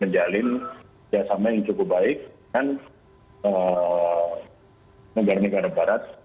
menjalin kerjasama yang cukup baik dengan negara negara barat